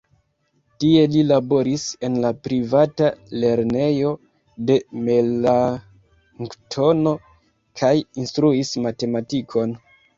Tie li laboris en la privata lernejo de Melanktono kaj instruis matematikon.